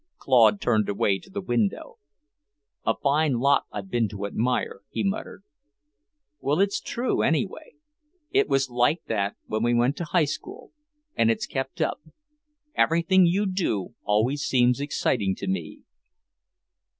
Claude turned away to the window. "A fine lot I've been to admire," he muttered. "Well, it's true, anyway. It was like that when we went to High School, and it's kept up. Everything you do always seems exciting to me."